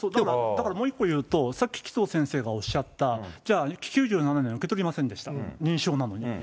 だからもう一個言うと、さっき紀藤先生がおっしゃった、じゃあ、９７年、受け取りませんでしたと、認証でしたのに。